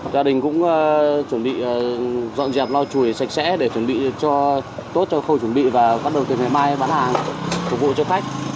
gia đình cũng chuẩn bị dọn dẹp lo chui sạch sẽ để chuẩn bị cho tốt cho khâu chuẩn bị và bắt đầu từ ngày mai bán hàng phục vụ cho khách